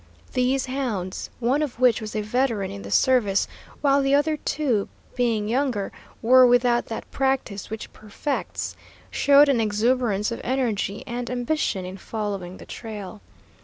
These hounds, one of which was a veteran in the service, while the other two, being younger, were without that practice which perfects, showed an exuberance of energy and ambition in following the trail.